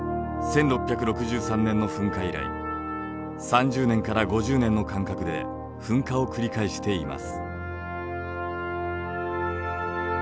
１６６３年の噴火以来３０年から５０年の間隔で噴火を繰り返しています。